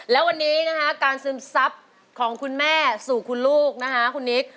แล้ววันนี้นะคะการซึมซับของคุณแม่สู่คุณลูกนะคะคุณนิก